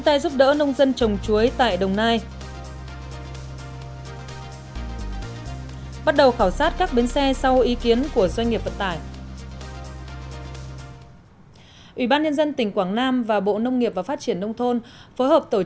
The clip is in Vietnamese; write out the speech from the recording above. tiếp theo của chương trình